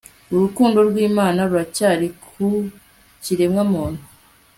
urukundo rwImana ruracyari ku kiremwa muntu